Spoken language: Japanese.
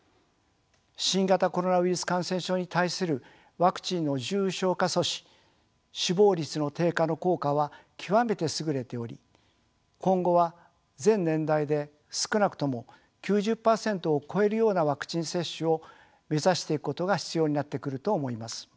新型コロナウイルス感染症に対するワクチンの重症化阻止死亡率の低下の効果は極めて優れており今後は全年代で少なくとも９０％を超えるようなワクチン接種を目指していくことが必要になってくると思います。